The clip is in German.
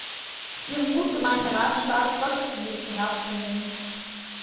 Ihren gut gemeinten Ratschlag solltest du dir zu Herzen nehmen.